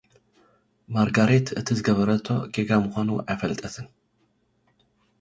ማርጋሬት እቲ ዝገበረቶ ጌጋ ምዃኑ ኣይፈለጠትን።